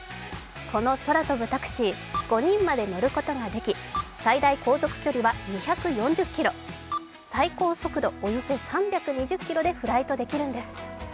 この空飛ぶタクシー、５人まで乗ることができ最大航続距離は２４０ｋｍ、最高速度およそ３２０キロでフライトできるんです。